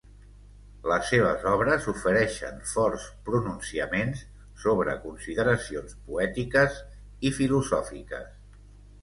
Les seves obres ofereixen forts pronunciaments sobre consideracions poètiques i filosòfiques.